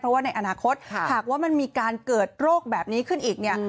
เพราะว่าในอนาคตหากว่ามันมีการเกิดโรคแบบนี้ขึ้นอีกเนี่ย